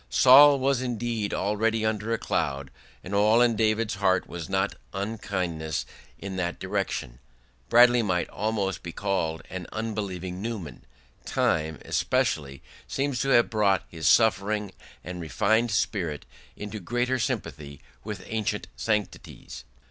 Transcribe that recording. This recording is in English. Saul was indeed already under a cloud, and all in David's heart was not unkindness in that direction. Bradley might almost be called an unbelieving Newman; time, especially, seems to have brought his suffering and refined spirit into greater sympathy with ancient sanctities.